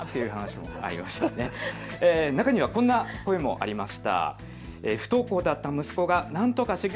中にはこんな声もありました。